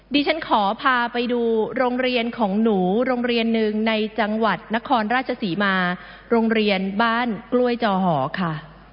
ดิฉันขอพาไปดูโรงเรียนของหนูโรงเรียนหนึ่งในจังหวัดนครราชศรีมาโรงเรียนบ้านกล้วยจอหอค่ะ